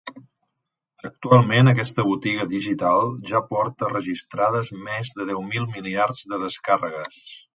Actualment aquesta botiga digital ja porta registrades més de deu miliards de descàrregues.